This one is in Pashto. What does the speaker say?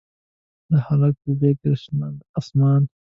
د هلک غیږ د شنه اسمان